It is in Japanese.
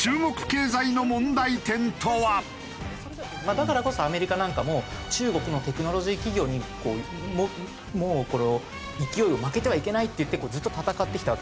だからこそアメリカなんかも中国のテクノロジー企業にもうこの勢いを負けてはいけないっていってずっと戦ってきたわけです。